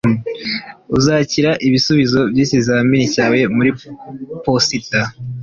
uzakira ibisubizo byikizamini cyawe muri posita